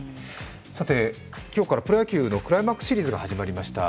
今日からプロ野球のクライマックスシリーズが始まりました。